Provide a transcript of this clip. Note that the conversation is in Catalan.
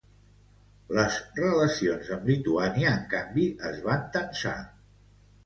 Les relacions amb Lituània en canvi es van tensar.